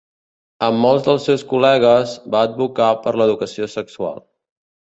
Amb molts dels seus col·legues, va advocar per l'educació sexual.